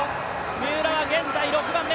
三浦は現在６番目。